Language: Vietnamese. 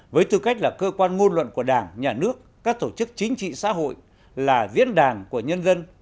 với tư cách là cơ quan ngôn luận của đảng nhà nước các tổ chức chính trị xã hội là diễn đàn của nhân dân